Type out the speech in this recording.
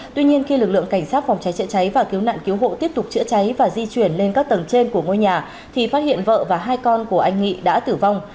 tuy nhiên khi lực lượng cảnh sát phòng cháy chữa cháy và cứu nạn cứu hộ tiếp tục chữa cháy và di chuyển lên các tầng trên của ngôi nhà thì phát hiện vợ và hai con của anh nghị đã tử vong